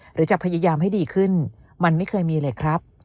หรือจะพยายามให้ดีขึ้นมันไม่เคยมีเลยครับ